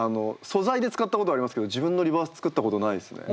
素材で使ったことありますけど自分のリバース作ったことないですね。